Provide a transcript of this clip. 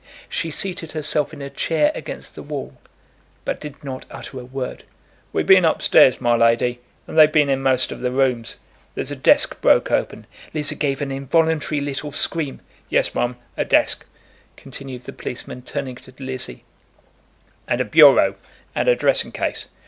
She seated herself in a chair against the wall, but did not utter a word. "We've been up stairs, my lady, and they've been in most of the rooms. There's a desk broke open," Lizzie gave an involuntary little scream; "Yes, mum, a desk," continued the policeman turning to Lizzie, "and a bureau, and a dressing case.